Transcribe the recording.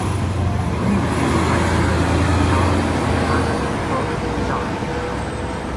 King and Vice-president Allen N. Yancy both resigned.